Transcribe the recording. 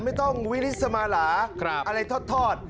ไม่ต้องวิริสมาหลาอะไรทอด